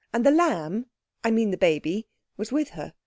And The Lamb—I mean the baby—was with her.